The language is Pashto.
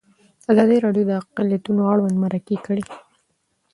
ازادي راډیو د اقلیتونه اړوند مرکې کړي.